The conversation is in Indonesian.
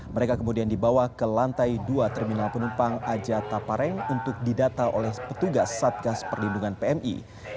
mereka kemudian dibawa ke lantai dua terminal penumpang aja tapareng untuk didata oleh petugas satgas perlindungan pmi